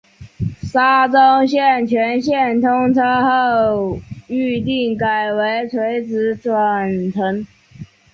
沙中线全线通车后预定改为垂直转乘。